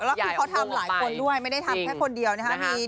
แล้วคือเขาทำหลายคนด้วยไม่ได้ทำแค่คนเดียวนะครับ